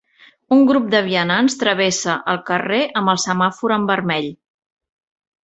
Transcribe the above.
Un grup de vianants travessa el carrer amb el semàfor en vermell.